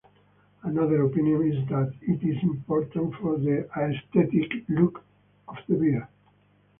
Another opinion is that it is important for the aesthetic look of the beer.